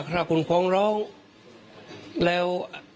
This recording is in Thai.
ก็เลยขับรถไปมอบตัว